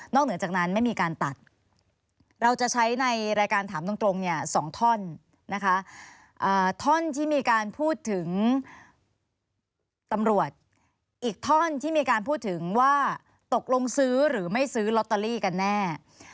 เหนือจากนั้นไม่มีการตัดเราจะใช้ในรายการถามตรงเนี่ย๒ท่อนนะคะท่อนที่มีการพูดถึงตำรวจอีกท่อนที่มีการพูดถึงว่าตกลงซื้อหรือไม่ซื้อลอตเตอรี่กันแน่